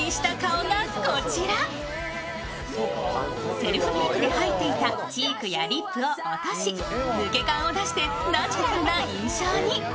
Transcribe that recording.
セルフメイクで入っていたチークやリップを落とし抜け感を出してナチュラルな印象に。